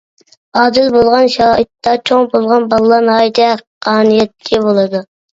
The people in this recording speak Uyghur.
ئادىل بولغان شارائىتتا چوڭ بولغان بالىلار، ناھايىتى ھەققانىيەتچى بولىدۇ.